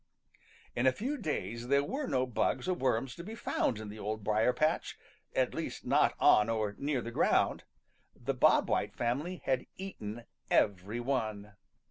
In a few days there were no bugs or worms to be found in the Old Briar patch, at least not on or near the ground. The Bob White family had eaten _every one.